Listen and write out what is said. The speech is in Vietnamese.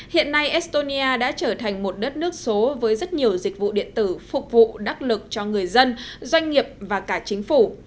hiện nay estonia đã trở thành một đất nước số với rất nhiều dịch vụ điện tử phục vụ đắc lực cho người dân doanh nghiệp và cả chính phủ